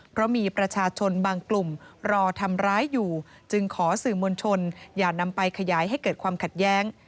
เพราะมีประชาชนบางกลุ่มรอทำร้ายอยู่จึงขอสื่อมวลชนอย่านำไปขยายให้เกิดความขัดแย้ง